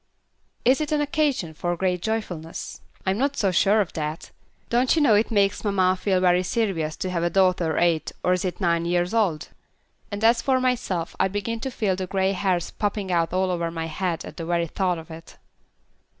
"Is it an occasion for great joyfulness? I'm not so sure of that. Don't you know it makes mamma feel very serious to have a daughter eight or is it nine years old? And as for myself, I begin to feel the grey hairs popping out all over my head at the very thought of it."